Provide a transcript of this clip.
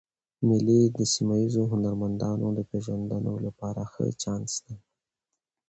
مېلې د سیمه ییزو هنرمندانو د پېژندلو له پاره ښه چانس دئ.